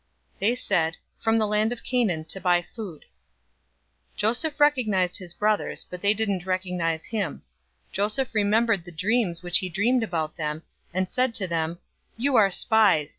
They said, "From the land of Canaan to buy food." 042:008 Joseph recognized his brothers, but they didn't recognize him. 042:009 Joseph remembered the dreams which he dreamed about them, and said to them, "You are spies!